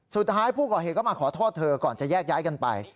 สุดท้ายผู้ก่อเหตุก็มาขอโทษเธอก่อนจะแยกย้ายกันไป